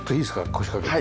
腰かけて。